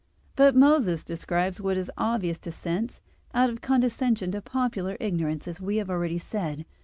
But Moses describes what is obvious to sense, out of condescension to popular ignorance, as we have already said (Q.